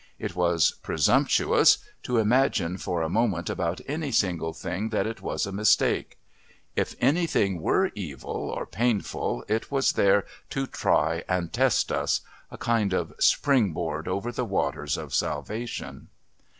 It was "Presumptuous" to imagine for a moment about any single thing that it was a "mistake." If anything were evil or painful it was there to "try and test" us.... A kind of spring board over the waters of salvation.